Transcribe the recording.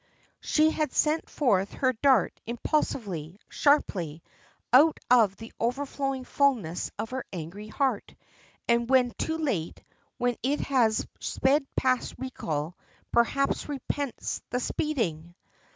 She has sent forth her dart impulsively, sharply, out of the overflowing fullness of her angry heart and when too late, when it has sped past recall perhaps repents the speeding!